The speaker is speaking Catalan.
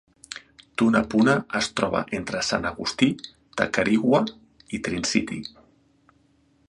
Tunapuna es troba entre Sant Agustí, Tacarigua i Trincity.